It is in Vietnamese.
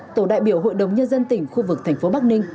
tổ đại biểu hội đồng nhân dân tỉnh khu vực thành phố bắc ninh